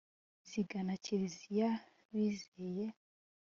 zigana kiziriya bizeye